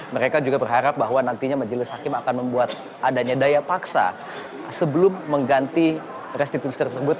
mereka juga berharap bahwa nantinya majelis hakim akan membuat adanya daya paksa sebelum mengganti restitusi tersebut